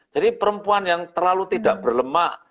jadi perempuan yang terlalu tidak berlemak